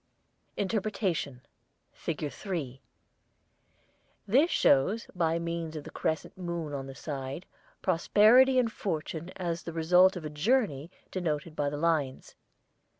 INTERPRETATION FIG. 3 This shows, by means of the crescent moon on the side, prosperity and fortune as the result of a journey denoted by the lines.